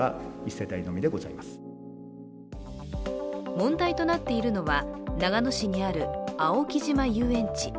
問題となっているのは長野市にある青木島遊園地。